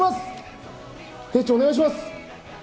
兵長、お願いします。